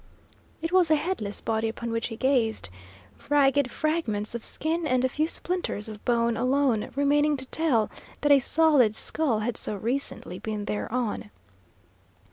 It was a headless body upon which he gazed, ragged fragments of skin and a few splinters of bone alone remaining to tell that a solid skull had so recently been thereon.